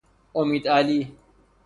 امیدعلی